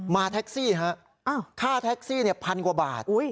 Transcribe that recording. มาแท็กซี่ฮะค่าแท็กซี่พันกว่าบาท